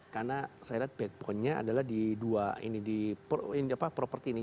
karena saya lihat backbone nya adalah di dua ini di ini apa properti ini